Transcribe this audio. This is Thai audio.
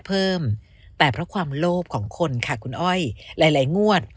เพิ่มแต่เพราะความโลภของคนค่ะคุณอ้อยหลายงวด